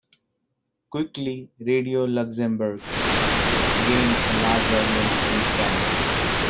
Quickly, Radio Luxembourg gained a large audience in France.